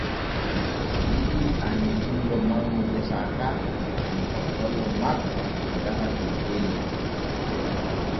O yiɗi annitingo manŋu gesa ka e no hottollo makko fotata teddella.